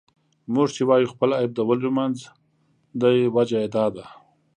موږ چې وايو خپل عيب د ولیو منځ دی، وجه یې دا ده.